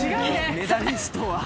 メダリストは。